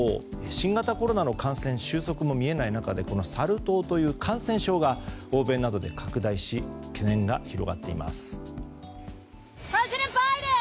新型コロナの感染収束が見えない中でサル痘という感染症が欧米などで拡大し懸念が広がっています。